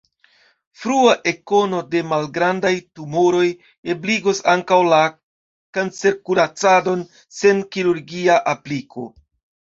Frua ekkono de malgrandaj tumoroj ebligos ankaŭ la kancerkuracadon sen kirurgia apliko.